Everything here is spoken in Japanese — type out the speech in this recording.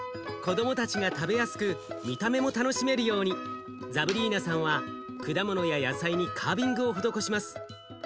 子どもたちが食べやすく見た目も楽しめるようにザブリーナさんは果物や野菜にカービングを施します。